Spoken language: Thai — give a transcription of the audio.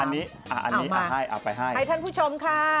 มาให้ทั้งผู้ชมค่ะ